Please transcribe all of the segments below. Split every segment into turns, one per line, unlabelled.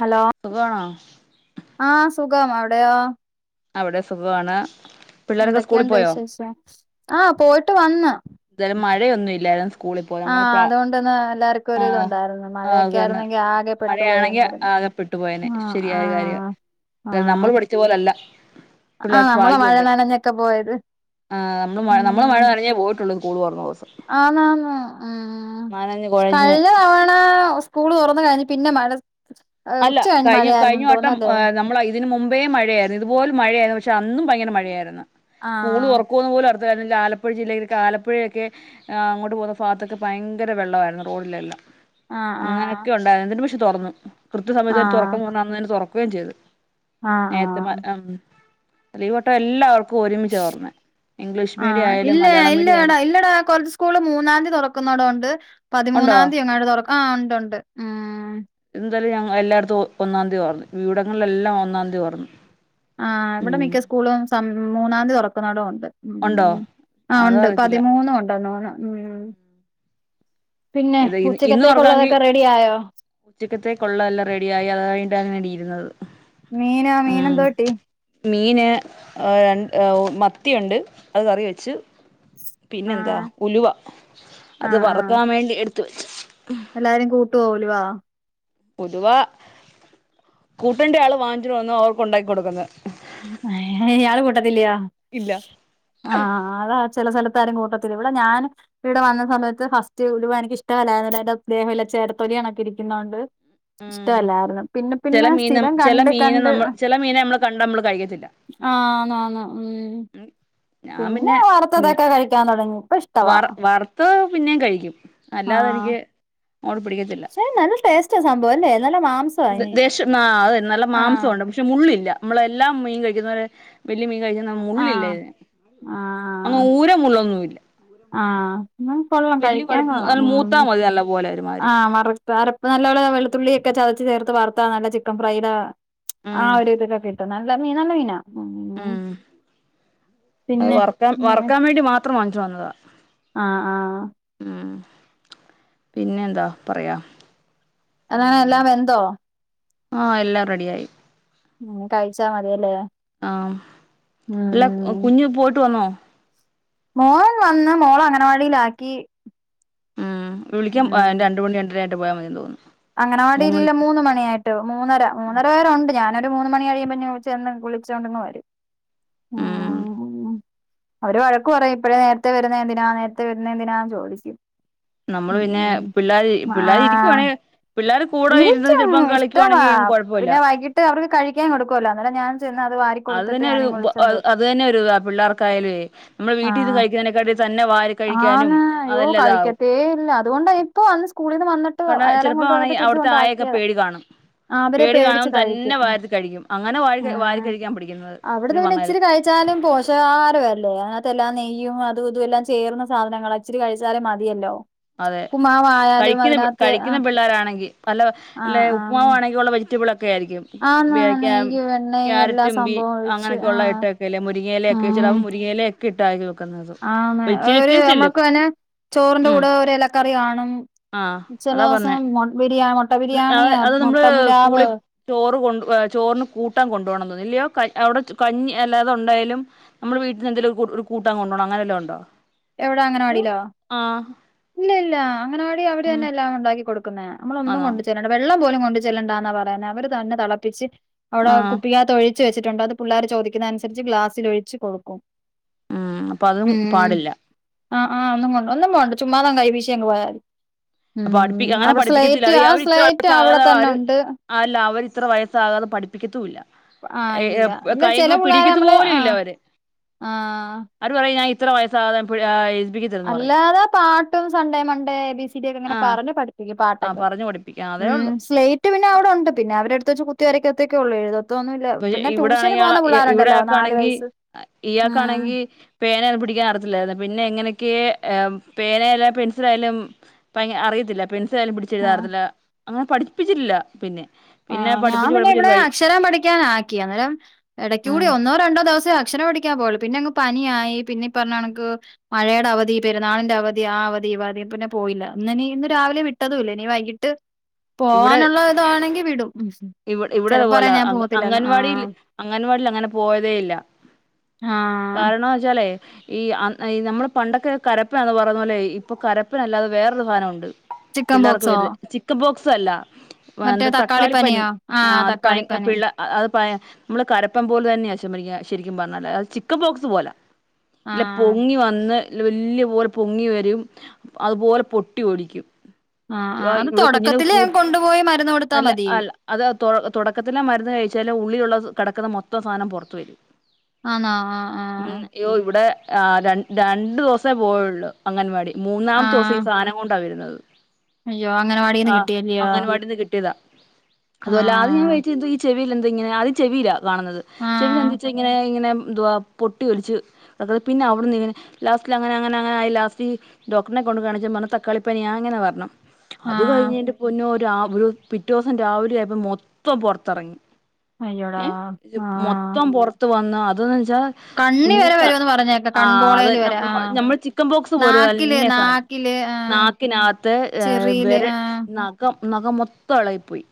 Hello,
സുഖമാണോ
ആ സുഖം. അവിടെയോ?
അവിടെ സുഖാണ്.
എന്തൊക്കെയുണ്ട് വിശേഷം? ആ പോയിട്ട് വന്ന്.
എന്തായാലും മഴയൊന്നും ഇല്ലായിരുന്നു സ്കൂളിൽ പോ [unintelligible] നമ്മള്.
ആഹ് അതുകൊണ്ടിന്ന് എല്ലാർക്കും
[inaudible] ആ
ഒരു ഇതുണ്ടായിരുന്നു
ആ അത്
മഴയൊക്കെ
തന്നെ.
ആയിരുന്നെങ്കി ആകെ പെട്ടുപോയി
മഴയാണെങ്കിൽ
എന്നായിരുന്നു
ആകെപ്പെട്ടു പോയനെ.
ആഹ്
ശരിയായ കാര്യം.
ആഹ്
എന്നാൽ നമ്മൾ പഠിച്ച പോലെ അല്ല.
ആ നമ്മൾ മഴ നനഞ്ഞൊക്കെ പോയത്.
ആ നമ്മള് നമ്മള് മഴ
ഉം.
നനഞ്ഞേ പോയിട്ടുള്ളൂ സ്കൂൾ തുറന്ന ദിവസം
ആണ് ആണ്. ആ
നനഞ്ഞ് കുഴഞ്ഞ്
കഴിഞ്ഞ തവണ സ്കൂള് തുറന്ന് കഴിഞ്ഞ് പിന്നെ മഴ-
അല്ല.
ഉച്ച കഴിഞ്ഞ്
കഴിഞ്ഞു കഴിഞ്ഞ
മഴയായിരുന്നെന്ന്
വട്ടം
തോന്നല്ലേ
നമ്മള് ഇതിന് മുമ്പേ മഴയായിരുന്നു ഇത്പോലെ മഴയായിരുന്നു. ഇതുപോൽ മഴയായിരുന്നു. പക്ഷെ അന്നും ഭയങ്കര മഴയായിരുന്നു. സ്കൂള്
ആഹ്
തുറക്കുവുന്ന് പോലും ഉർ [unintelligible] ആലപ്പുഴ ജില്ലയിലൊക്കെ ആലപ്പുഴൊക്കെ ഏ അങ്ങോട്ട് പോകുന്ന ഭാഗത്തൊക്കെ ഭയങ്കര വെള്ളമായിരുന്നു റോഡിലെല്ലാം.
ആഹ് ആഹ്
അങ്ങനെയൊക്കെ ഉണ്ടായിരുന്നു. ഇന്നട്ട് പക്ഷെ തുറന്നു. കൃത്യ സമയത്ത്തന്നെ തുറക്കും
ആഹ്
എന്ന് പറഞ്ഞാൽ അന്ന് തന്നെ തുറക്കു- കയും ചെയ്ത്.
ആഹ്
നേത്തെ മ
ആഹ്
ഉം. ഈ വട്ടം എല്ലാവർക്ക്‌ ഒരുമച്ച തൊറന്നേ. ഇഗ്ലീഷ്
ആ ഇല്ല, ഇല്ലടാ, ഇല്ലടാ കുറച്ച് സ്കൂള് മൂന്നാന്തി തുറക്കുന്നടും ഉണ്ട്
ഉണ്ടോ
പതിമൂന്നാംന്തി [unintelligible] തുറക്ക. ആ ഉണ്ട്, ഉണ്ട്. ഉം.
[inaudible] എല്ലായിടത്തും ഒന്നാന്തി തുറന്നു. ഇവടെങ്ങളിൽ എല്ലാം ഒന്നാന്തി തുറന്നു.
ആ ഇവിടെ
ഉം
മിക്ക സ്കൂള മൂന്നാം തീയതി തുറക്കുന്നവിടം ഉണ്ട്
ഉണ്ടോ
ഉം ആ
അതോ
ഉണ്ട്
അറിയത്തില്ല
പതിമൂന്നും ഉണ്ടന്നോണം ഉം പിന്നെ
ഇത്
ഉച്ചക്കത്തേക്കുള്ളതൊക്കെ റെഡി ആയോ
ഉച്ചക്കത്തെ കൊള്ളം എല്ലാം റെഡിയായി അതായി അങ്ങനടി ഇരുന്നത്
മീനാ... മീൻ എന്തൊക്കിട്ടി?
മീൻ മത്തിയുണ്ട് അത് കറി വെച്ച്. പിന്നെന്താ?
ആഹ്
ഉലുവ അത്
ആഹ് ആഹ്
വറക്കാൻ വേണ്ടി എടുത്ത വെച്ച്
എല്ലാരും കൂട്ടു ഉലുവ
പൊതുവ കൂട്ടണ്ട ആള് വാങ്ങിച്ചിട്ട വന്നു. അവർക്ക് ഉണ്ടാക്കി കൊടുക്കുന്നത്
ഇയാള് കൂട്ടത്തില്ലയ?
ഇല്ല
ആ.. അത.. ചില സ്ഥലത്താരും കൂട്ടത്തില്ല. ഇവിടെ ഞാനും ഇവിടെ വന്ന സമയത്ത് ഫസ്റ്റ് ഒഴ എനിക്ക് ഇഷ്ടല്ല എന്റെദേഹ ചേരത്തൊലിണൊക്കെ ഇരിക്കുന്നൊണ്ട്
ഉം
ഇഷ്ടമല്ലായിരുന്നു! പിന്നെ,
ചില
പിന്നെ
മീൻ
സ്ഥിരം
ചില
കണ്ട്
മീനെ
കണ്ട്..
നമ്മൾ ചില മീനെ നമ്മൾ കണ്ട നമ്മൾ കഴിക്കത്തില്ല
ആ ആന്ന് ആന്ന് ഉം
ഞാൻ പിന്നെ
വറുത്തതൊക്കെ കഴിക്കാൻ തുടങ്ങി ഇപ്പൊ ഇഷ്ടവാ
വറുത്ത് പിന്നെയും കഴിക്കും അല്ലാതെ നിക്ക്
ശെ! നല്ല ടേസ്റ്റ് സംഭവ അല്ലേ! നല്ല മാംസവാ അയിന്
ദേശം ആ... അത... നല്ല
ആഹ്
മാംസമുണ്ട്. പക്ഷെ മുള്ളില്ല. നമ്മളെല്ലാം മീൻ കഴിക്കുന്നവരെ വലിയ മീൻ കഴ മുള്ളില്ല
ആഹ്
ഇതിന്
ആഹ്
ഊര മുള്ളൊന്നുമ ഇല്ല.
ഉം.. കൊള്ളാം കഴിക്കാൻ
കുഴപ്പ
കൊള്ളാം
നല്ല മൂത്താ
ഉം..
മതി നല്ല പോലെ ഒരുമാതിരി
ആ. വറത്തരപ്പ നല്ല വെളുത്തുള്ളി ഒക്കെ ചതച്ചു ചേർത്ത്. വറുത്ത നല്ല ചിക്കൻ ഫ്രൈ ആ
ഉം
ഒരു ഇതിക്കൊക്കെ കിട്ടും നല്ല മീനാ നല്ല മീൻ
ഉം. അത്
പിന്നെ
വറക്കാൻ വേണ്ടി മാത്രം വങ്ങിച്ചു വന്നതാ.
ആ.. ആ
പിന്നെ എന്താ പറയാ?
അങ്ങന
ഉം
എല്ലാം വെന്തോ?
ആ എല്ലാം റെഡിയായി
ഉം. കഴിച്ചാൽ മതിയല്ല!
ആ. അല്ല! കുഞ്ഞ് പോയിട്ട് വന്നോ?
മോൻ വന്ന് മോളേ അങ്ങനവാടിയിലാക്കി
ഉം വിളിക്കാൻ രണ്ട് മണി രണ്ടരായിട്ട് പോയാൽ മതി തോന്നുന്നു. മൂന്ന്
അങ്ങനവാടിൽല്ല
മണിക്ക്
മൂന്ന മണിയായിട്ട് മൂന്നര മൂന്നര വരെ ഉണ്ട് ഞാൻ ഒരു മൂന്ന് മണി കഴിയുമ്പോ ചേന്ന് വിളിച്ചോണ്ടന്ന് വരും
ഉം
അവര് വഴക്കു പറയും ഇപ്പോഴേ നേരത്തെ വരുന്ന, എന്തിനാ നേരത്തെ വരുന്ന, എന്തിനാ ചോദിക്കും.
നമ്മള്
ഉം
പിന്നെ
ഉം
പിള്ളേര്
ഉം ആ....
പിള്ളേര് ഇരിക്കുവാണെ പിള്ളേര് കൂടെ ഇരുന്ന്
ഇരിക്കും
ചിലപ്പം
ഇഷ്ടവാ
കളിക്കുവാണെങ്കി കുഴപ്പമില്ല
പിന്നെ വൈകിട്ട് അവർക്ക് കഴിക്കാൻ കൊടുക്കുവല്ലോ അന്നരം ഞാൻ ചെന്ന അത് വാരി
അത്
കൊടുത്തിട്ട്
തന്നെ ഒരു
ഞാനിങ് വിളിച്ചോണ്ട് വരും
അത് തന്നെ ഒരുതാ പിള്ളേർക്കായാലേ നമ്മള് വീട്ടിൽ ഇത് കഴിക്കുന്നതിനെക്കാട്ട തന്നെ വാരി കഴിക്കാനും
ആന്നു യോ
അതെല്ലാം ഇതാവും
കഴിക്കത്തേ ഇല്ല അതുകൊണ്ട് ഇപ്പൊ വന്ന് സ്കൂളിൽ നിന്ന് വന്നിട്ട്
കാരണം
അയാളെ
ചിലപ്പോ
കൊണ്ട്
ആണെങ്കി
വന്നിട്ട് തിരിച്ച
അവിടുത്തെ
കൊണ്ട്
ആയയൊക്കെ
ആക്കിത
പേടി കാണും
അവരെ
പേടി
പേടിച്ച
കാണും തന്നെ
കഴിക്കും
വാരി കഴിക്കും അങ്ങനെ വാരി വാരി കഴിക്കാൻ പഠിക്കുന്നത്
അവിടുത്തെ
സത്യം
പിങ്ങനെ
പറഞ്ഞാല്
ഇച്ചിരി കഴിച്ചാലും പോഷകഹാരമല്ലേ അങ്ങത്തെ എല്ലാം നെയ്യും അത് ഇതും എല്ലാം ചേർന്ന സാധനങ്ങൾ അച്ചിരി കഴിച്ചാലേ മതിയല്ലോ!
അതെ
ഉപ്പുമാവായാലും
കഴിക്കുന്ന
അതിനകത്ത്
കഴിക്കുന്ന
ആഹ്
പിള്ളേരാ ആണെങ്കിൽ
ആഹ്
പലല്ല
ആഹ്
ഉപ്പുമാവാണെങ്കിൽ ഉള്ള വെജിറ്റബിൾക്കെ
ആന്ന് നെയ്യും എണ്ണയും എല്ലാ
കാരറ്റ്റും ബീൻസും
സംഭവവും ഒഴിച്ച്
അങ്ങനൊക്കെള്ള
ആഹ്
ഇട്ടക്കല്ല മുരിങ്ങലയ
ആഹ്
ഒക്കൊവും മുരിങ്ങേല ഒക്കെ ഇട്ട
ആന്ന് ഒരു നമ്മുക്ക് അന്നെ ചോറിന്റെറെ
ഉം
കൂടെ ഒരു ഇലക്കറി കാണും
ആഹ് അതാ
ചലോ
പറഞ്ഞേ
ദിവസം ബിരിയാ മുട്ട ബിരിയാണി
അത് നമ്മള്
മുട്ട പുലാബ്
സ്കൂളി ചോറ് കൊണ്ട് ചോറിന് കൂട്ടൻ കൊണ്ട പോണം എന്ന് തോന്നുന്നു ഇല്ലയോ! അവിടെ കഞ്ഞി അല്ലാതെ ഉണ്ടായാലും നമ്മള് വീട്ടിൽന്ന് എന്തെലിലും ഒരു കൂട്ടാൻ കൊണ്ടുപോണം അങ്ങനെല്ലാം ഉണ്ടോ
എവിടെ അങ്ങനവാടില്ലോ?
ആഹ്
ഇല്ല ഇല്ല. അങ്ങനവാടി
ഉം
അവരെന്നെ എല്ലാം ഉണ്ടാക്കി ക്കുന്നെ നമ്മള ഒന്നും
ആണോ
കൊണ്ട് ചെല്ലണ്ട വെള്ളം പോലും കൊണ്ടു ചെല്ലണ്ടന്നാ പറയുന്നെ അവര് തന്നെ തിളപ്പിച്ച് അവിടെ
ആഹ്
കുപ്പിക്കകത്ത് ഒഴിച്ചു വച്ചിട്ടുണ്ട് അത് പിള്ളോര് ചോദിക്കുന്ന അനുസരിച്ച് ഗ്ലാസ്സിൽ ഒഴിച്ച് കൊടുക്കും
ഉം അപ്പൊ അതും പാടില്ല
ആ ആ ഒന്നും കൊണ്ട് ഒന്നും കൊണ്ട ചുമ്മാതങ്ങ് കൈ വീശിയങ്ങ് പോയാതി.
പഠിപ്പിക്ക അങ്ങനെ പഠിപ്പിക്കത്തില്ല അവര് അവരിത്ര
സ്ലേറ്റ്
വർഷ [unintelligible]
അവിടെ തന്നെ
അവര്
ഉണ്ട്.
അല്ല അവര് ഇത്ര വയസ്സാകാതെ പഠിപ്പിക്കത്തൂല്ല
ആഹ്
ഏ, അ,
ഇല്ല. ഇല്ല ചെല
കയിമ്മെ
പിള്ളേരെ നമ്മള്
പിടിക്കത്ത്പോലൂല്ല
ആഹ്
അവര്,
ആഹ്
അവര് പറയും ഞാൻ ഇത്ര വയസ്സാവാതെ [unintelligible]
അല്ലാതെ പാട്ടും, Sunday, Monday, A, B, C, D ഒക്കെ ഇങ്ങനെ
ആഹ്
പറഞ്ഞ് പഠിപ്പിക്കും
ആഹ്
പാട്ടൊക്കെ
പറഞ്ഞു പഠിപ്പിക്കാം അതേ
ഉം
ഉള്ളൂ
സ്ലേറ്റ് പിന്നെ അവടൊണ്ട് പിന്നെ അവരെടുത്ത് വെച്ച് കുത്തിവരക്കത്തൊക്കെള്ളൂ എഴുത
പക്ഷേ ഇവിടെയാണെങ്കിയാളെ ഇ
നാല്
ഇവിടയാക്കാണെങ്കി
വയസ്സ് ഉം
ഇയാൾക്കാണെങ്കി പേന പിടിക്കാനറിയത്തില്ലാര്ന്ന് പിന്നെ എങ്ങനെക്കയേ പേനായാലും പെൻസിലായാലും അറിയത്തില്ല ായാലും
ആഹ്
പിടിച്ചെഴുതാനറിയത്തില്ല അങ്ങനെ പഠിപ്പിച്ചിട്ടില്ല പിന്നെ
ആ
പിന്നെ
ഞാൻ
പഠിപ്പിച്ച്
പിന്നെ
പഠിപ്പിച്ച്
ഇവിടെ
ഒരു വഴി
അക്ഷരം പഠിക്കാനാക്കി അന്നേരം ഇടയ്ക്ക് കൂടി
ഉം
ഒന്നോ രണ്ടോ ദിവസം ട്യൂഷന് പഠിക്കാൻ പോവല്ണ്ട് പിന്നെ അങ്ങ് പനിയായി പിന്നെ ഇപ്പറഞ്ഞ കണക്ക് മഴയുടെ അവധി പെരുന്നാളിന്റെ അവധി ആ അവധി ദീപാവധിയായെപ്പിന്നെ പോയില്ല ഇന്നിനി ഇന്ന് രാവിലെ വിട്ടതുംല്ല ഇനി വൈകിട്ട്
ഇവിടെ
പോവാനുള്ള ഇതാണെങ്കി വിടും
ഇവി
ചിലപ്പോ
ഇവിടതുപോലെ
പറയും ഞാൻ പോകത്തില്ലന്ന്
അംഗൻവാടിൽ
ആഹ്
അംഗൻവാടിൽ അങ്ങനെ പോയതേയില്ല
ആഹ്
[unintelligible] ഈ അ നമ്മൾ പണ്ടൊക്കെ കരപ്പയാന്ന് പറയുന്ന പോലെ ഇപ്പൊ കരപ്പയല്ലാതെ വേറൊരു സാനം ഉണ്ട്
ചിക്കൻ
പിള്ളേർക്ക്
ബോക്സോ
വെർത് ചിക്കൻബോക്സ് അല്ല
മറ്റേ
എന്ത തക്കാളിപ്പനി
തക്കാളിപ്പനിയോ
ആ
ആഹ്
അത്
തക്കാളിപ്പനി
[unintelligible] നമ്മളെ കരപ്പം പോലെ തന്നെയാ ശുമറിന ശരിക്കും പറഞ്ഞാല് അത് ചിക്കൻപോക്സ് പോല ഇല്ല
ആഹ്
പൊങ്ങി വന്ന് വലിയ വല്ല്യ പോലെ പൊങ്ങി വരും, അത്പോലെ പൊട്ടി ഒലിക്കും
ആ ആ അത്
ഇവിടെ കുഞ്ഞിന്
തുടക്കത്തില്
കൂ അല്ല അല്ല അത് തുടക്കത്തിലേ മരുന്ന് കഴിച്ചാല് ഉള്ളിയുള്ളത് കെടക്കുന്ന മൊത്തം സാനം പുറത്ത് വരും
ആന്നോ ആഹ്
ഉം,
ആഹ്
യ്യോ ഇവിടെ ആ ര രണ്ട് ദിവസേ പോയുള്ളു അങ്കൻവാടി, മൂന്നാമത്തെ ദിവസം ഈ
ആഹ്
സാനം കൊണ്ടാ വരുന്നത്.
അയ്യോ അങ്കനവാടീന്ന് കിട്ടിയ
അങ്കനവാടീന്ന് കിട്ടിയതാ, അതുപോലെ ആദ്യം ഞാൻ
ആഹ്
വെയ്റ്റെയ്ത് ഈ ചെവിയിലെന്താ ഇങ്ങനെ ആദ്യം ചെവിയിലാ കാണുന്നത് ചെവിൽ
ആഹ്
എന്താച്ച ഇങ്ങനെ ഇങ്ങനെ എന്തുവാ പൊട്ടിയൊലിച്ച് അത് പിന്നെ അവിടുന്ന് ഇങ്ങനെ ലാസ്റ്റില് അങ്ങനെ അങ്ങനെ അങ്ങനായി ലാസ്റ്റ് ഡോക്ടറിനെ കൊണ്ട് കാണിച്ചപ്പം പറഞ്ഞു തക്കാളിപ്പനിയാ അങ്ങനെ പറഞ്ഞു അത്
ആഹ്
കഴിഞ്ഞെൻ്റെ പൊന്നോ ഒരാ ഒരു പിറ്റേ ദിവസം രാവിലെയായപ്പോ മൊത്തം പൊറത്തിറങ്ങി.
അയ്യോടാ
ഏ ഇത്
ആഹ്
മൊത്തം പുറത്ത് വന്നോ അത്
കണ്ണി വരെ വരുവെന്ന്
[unintelligible]
പറഞ്ഞേക്കാം
ആ അത്
കൺപോളേല് വരെ ആഹ്
നമ്മളെ ചിക്കൻബോക്സ് പോലെ
നാക്കില്
തന്നെ സാനം
നാക്കില് ആഹ്
നാക്കിനാത്ത് ഏ
ചെറിയില്
വരേ
ആഹ്
മൊത്തം നഖം മൊത്തെളകിപ്പോയി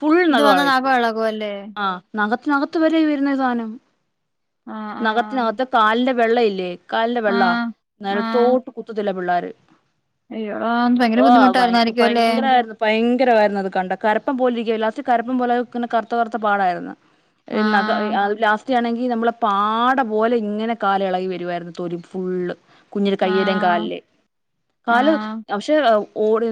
ഫുൾ
ഇത്
നഖം
വന്ന നാക്ക്
എളകിപ്പോയി
എളകുവല്ലേ
ആ നഖ നഖത്ത് വരെ വരുന്ന ഈ സാനം?
ആഹ് ആഹ്
നഖത്തിനകത്തെ കാലിന്റെ വെള്ള ഇല്ലേ? കാലന്റെ വെള്ള
ആഹ്
നെലത്തോട്ട് കുത്തത്തില്ല പിള്ളാര്
അയ്യൊ എടാ അന്ന് ഭയങ്കര ബുദ്ധിമുട്ടായിരുന്നായിരിക്കും അല്ലെ?
ഭയങ്കരവായിരുന്നു ഭയങ്കരവായിരുന്നു അത് കണ്ട കരപ്പൻ പോലെ ഇരിക്കുവാ ലാസ്റ്റ് കരപ്പൻ പോലെ അത് ങ്ങനെ കറ്ത്ത കറ്ത്ത പാടായിര്ന്ന് നഗ
ആഹ്
അത് ലാസ്റ്റ് ത്തിയാണെങ്കി നമ്മളെ പാട പോലെ ഇങ്ങനെ കാലെളകി വരുവായിര്ന്ന് തൊലി ഫുള്ള് കുഞ്ഞിൻ്റെ കയിലേം
ആഹ്
കാലിലേം കാല്
ആഹ്
പക്ഷേ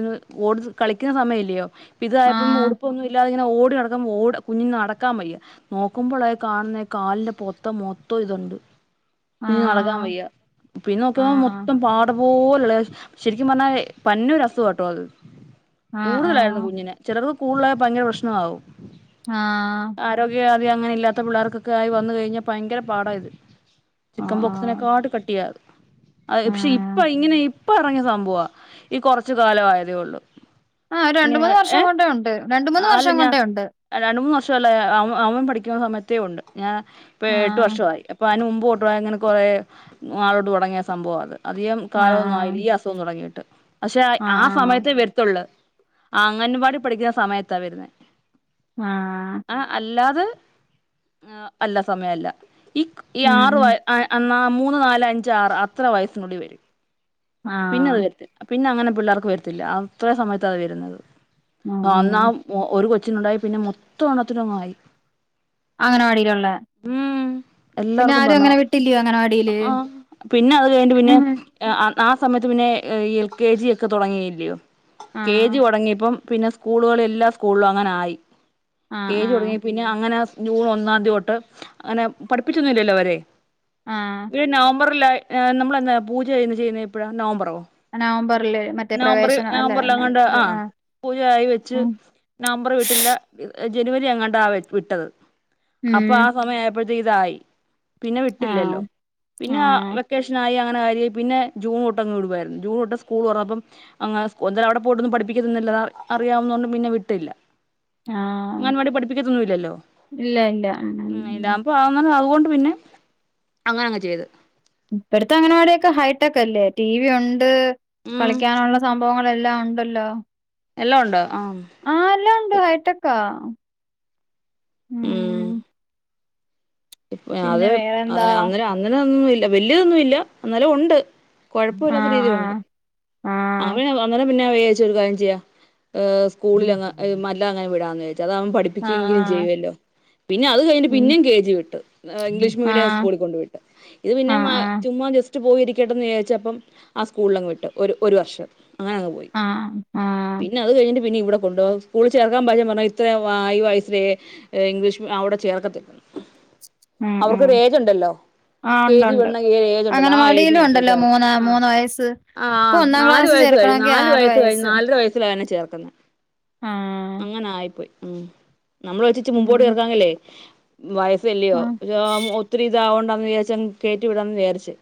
[unintelligible] കളിക്കുന്ന സമയെല്ലയോ ഇതായപ്പം
ആഹ്
ഉടുപ്പൊന്നും ഇല്ലാതിങ്ങനെ ഓടി നടക്കുമ്പോ ഓട കുഞ്ഞിന് നടക്കാൻ വയ്യ നോക്കുമ്പോളാണ് കാണുന്ന കാലിന്റെ പൊത്തം മൊത്തം ഇതൊെ കുഞ്ഞിന് നടക്കാൻ
ആഹ്
വയ്യ പിന്നെ നോക്കിയപ്പൊ
ആഹ് ആഹ്
മൊത്തം പാ [unintelligible] ശെരിക്കും പറഞ്ഞാ പന്ന ഒരു അസുഖാട്ടോ അത്
ആ ആ
കൂടുതലായിരുന്നു കുഞ്ഞിനെ ചിലർക്ക് കൂടുലായ ഭയങ്കര പ്രശ്നാവും
ആ
അങ്ങനെയില്ലാത്ത പിള്ളാർകൊക്കായി വന്ന് കഴിഞ്ഞാ ഭയങ്കര പാടാ ഇത്.
ആ ആ
ചിക്കൻപോക്സിനെക്കാട്ട് കട്ടിയാത്. അത്
ആ
ക്ഷെ ഇപ്പ ഇങ്ങനെ ഇപ്പ ഇറങ്ങിയ സംഭവ ഈ കൊർച്ച് കാലായതേ ഒള്ളു.
ആ ഒരു
[unintelligible]
രണ്ട്
ങ്ങൾ
മൂന്ന്
ഏ
വർഷം കൊണ്ടേ ഉണ്ട് രണ്ട്
ആ
മൂന്ന്
അല്ല
വർഷം
ഞാ
കൊണ്ടേ ഉണ്ട്
രണ്ട് മൂന്ന് [unintelligible] അവൻ പഠിക്കുന്ന സമയത്തേ ഒണ്ട് ഞാൻ ഇപ്പം ഏ
ആ
എട്ട് വർഷം ആയി ഇപ്പോ അതിന് മുമ്പ കോട്ടു വായങ്ങനെ കൊറേ നാളു തൊട്ട് തൊടങ്ങിയ സംഭവവാത്. അധികം
ആ
കാലോന്നും ആയില്ല ഈ അസുഖം തൊടങ്ങിയിട്ട്. പക്ഷെ ആ സമയത്തേ വെർത്തൊള്ളൂ അംഗൻവാടി പഠിക്കുന്ന സമയത്താ വെർന്നേ
ആ
ആ അല്ലാതെ ആ അല്ല സമയല്ല ഈ
ഉം
ആറ്
ഉം
വയ അ അന്നാ മൂന്ന് നാല് അഞ്ച് ആറ് അത്ര വയസ്സിനുള്ളി വരും.
ആ
പിന്നെ അത് വെർത്തില്ല പിന്നെ അങ്ങനെ പിള്ളാർക്ക് വെർത്തില്ല അത്ര സമയത്ത് അത് വെരുന്നത്.
ഉം
ആ അന്ന്
ഉം
ആ ഒ ഒരു കൊച്ചിനുണ്ടായി പിന്നെ മൊത്തം എണ്ണത്തിനും ആയി.
അംഗനവാടിയിലുള്ള
ഉം
പിന്നെ
എല്ലാർക്കും
ആരും
പറഞ്ഞു
അങ്ങനെ വിട്ടില്ലയോ അംഗനവാടിയില്
ആ പിന്നെ അത് കഴിഞ്ഞിട്ട്
മ്
പിന്നെ
മ്
ആ സമയത്ത് പിന്നെ ഈ എൽ കെ ജി ഒക്കെ തുടങ്ങിയില്ലയോ
ആ
കെ ജി തൊട്ങ്ങിയപ്പം പിന്നെ സ്കൂളുകള് എല്ലാ സ്കൂള്ലും അങ്ങനെ ആയി
ആ
കെ
ആ
ജി തുടങ്ങി പിന്നെ അങ്ങനെ സ് ജൂൺ ഒന്നാംതി തൊട്ട് ങ്ങനെ പഠിപ്പിച്ചൊന്നും ഇല്ലല്ലോ അവരെ
ആ
ഈ നവംബറ് ലാ നമ്മള് എന്നാ പൂജ ചെയ്ന്ന് ചെയ്യുന്നത് എപ്പഴാ നംബറോ?
നവംബറില് മറ്റേ
നവംബറി
പ്രവേശനം അല്ല ന-
നവംബറ്ലങ്ങണ്ട്
ഇത്
ആ പൂജായി വെച്ച്
ഉം
നവംമ്പറ് വീട്ടില്ല [unintelligible] ജനുവരി എങ്ങണ്ടാ വിട്ടത് അപ്പ ആ
ഉം
സമയം ആയപ്പോഴത്തേക്ക് ഇതായി പിന്നെ
ആ
വിട്ടില്ലല്ലോ
ആ
പിന്നെ വെക്കേഷനായി അങ്ങനെ ആയി പിന്നെ ജൂൺ തൊട്ട അങ്ങ് വിടുവയിരുന്നു ജൂൺ തൊട്ട് [unintelligible] സ്കൂൾ തുറന്നപ്പോ [unintelligible] അവിടെ പോയിട്ടൊന്നും പഠിപ്പിക്കുന്നതില്ലന്നാ അറിയാവു പിന്നെ വിട്ടില്ല
ആ
ഗൻ വടി പഠിപ്പിക്കത്തൊന്നും ഇല്ലല്ലോ,
ഇല്ല ഇല്ല
ഉം ഇല്ലാ അപ്പം അങ്ങനെ അതു കൊ പിന്നെ അങ്ങനെയങ്ങ് ചെയ്ത്
ഇപ്പഴത്തെ അംഗനവാടി ഒക്കെ ഹൈടെക് അല്ലേ ടി വി ഒണ്ട്
ഉം
കളിക്കാനുള്ള സംഭവങ്ങ എല്ലാം ഉണ്ടല്ലോ.
എല്ലാം ഉണ്ടോ ആം
ഇപ്പൊ ഹൈടെക്കോ?
ഉം ഇപ അത്
പിന്നെ
അ
വേറെന്താ
അങ്ങനേനഅങ്ങനെ ഒന്നും ഇല്ല വല്ല്യ തൊന്നും ഇല്ല ന്നാലും ഒണ്ട്.
ആ
കൊഴപ്പയില്ലാത്ത
ആ
രീതിയിലുണ്ട്
ആ
അവന് അന്നേരം പിന്നെ വേ ച്ച് ഒരു കാര്യം ചെയ്യാ ഏ സ്കൂളിലങ്ങ് മല്ല ഒന്ന് വിടാന്ന് അതാവുമ്പം
ആ
പഠിപ്പിക്കുകെങ്കിലും
ആ
ചെയ്യുവല്ലോ. പിന്നെ അത് കഴിഞ്ഞിട്ട്
ഉം
പിന്നെ കെ ജി വി ഇംഗ്ലീഷ്
ആ
മീഡിയം സ്കൂളിൽ കൊണ്ടു വിട്ട് ഇത് പിന്നെ
ആ ആ
മാ ചുമ്മാ ജെസ് പോയിരിക്കട്ടന്ന് വിചാരിച്ചപ്പം ആ സ്കൂളിലങ്ങ് വിട്ട് ഒരു ഒർ വർഷം അങ്ങനെ അങ്ങ് പോയി
ആ ആ
പിന്നെ അത് കഴിഞ്ഞിട്ട് പിന്നെ ഇവിടെ കൊണ്ടുപോ സ്കൂളിൽ ചേർക്കാൻ [unintelligible] പർഞ്ഞാ ഇത്ര ആയി വയസ്സിലേ ഇംഗ്ലീഷ് അവിടെ ചേർക്കത്തില്ലന്ന്
ഉം ഉം
അവർക്ക് രേഖണ്ടല്ലോ
ആ
കെ ജി
ഉണ്ടുണ്ട്
വിടുന്ന ഏ ഏജ് ഉണ്ടല്ലോ ആ
അംഗനവാടിയിലും
ഏജ്നനുസരിച്ച
ഉണ്ടല്ലോ മൂന്ന്
ആ
മൂന്ന് വയസ്സ്
ആ ആ
ഇപ്പൊ ഒന്നാം
നാല്
ക്ലാസ്
വയസ് നാല്
ചേർക്കണമെങ്കി ആറ്
വയസ് കഴിഞ്ഞ്
വയസ്സ്
നാലര വയസ്സിലായനെ ചേർക്കുന്നേ
ആ
അങ്ങനെ ആയിപ്പോയി ഉം നമ്മള് വച്ചിച്ച് മുമ്പോട്ട്
ഉം
[unintelligible] ല്ലേ വയസ്സ് വെ
ആ
[unintelligible] ഒത്തിരിതാവണ്ടന്ന് വിചാരിച്ച് കേറ്റി വിടാന്ന് വിചാരിച്ച്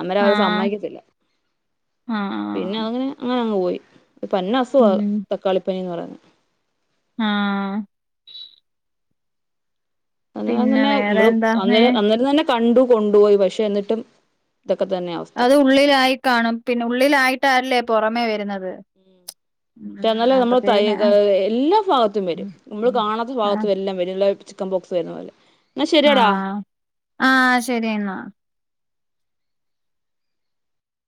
അന്നേരം
ആ
അവര് സമ്മതിക്കത്തില്ല
ആ
പിന്നെ
ആ
അങ്ങനെ അങ്ങനെ അങ്ങ് പോയി. പന്ന അസുഖ
ഉം
തക്കാളിപനി എന്ന് പറയുന്നത്.
ആ
അന്നേരം
പിന്നെ
തന്നെ
വേറെ
നമ്മള്
എന്താ ഏ
അന്നേരം അന്നേരം തന്നെ കണ്ടു കൊണ്ടോയി പക്ഷെ എന്നിട്ടും ഇതൊക്കെ തന്നെയാ അവസ്ഥ
അത് ഉള്ളിലായി കാണും പിന്നെ ഉള്ളിലായിട്ടല്ലേ പുറമേ വരുന്നത്
പക്ഷെ
ഉം
എന്നാല് നമ്മള് കൈ
അപ്പത്തേന്
ക എല്ലാ ഭാഗത്തും വരും നമ്മള് കാണാത്ത ഭാഗത്തും എല്ലാം വരും ല്ലേ ചിക്കൻ ബോക്സ് വരുന്ന പോലെ എന്നാ
ആ
ശരിയടാ
ആ ശരി എന്നാ